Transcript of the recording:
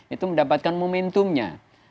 itu mendapatkan momentumnya